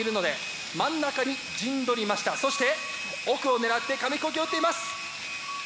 そして奥を狙って紙ヒコーキをうっています。